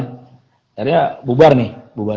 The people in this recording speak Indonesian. akhirnya bubar nih